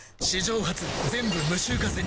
史上初全部無臭化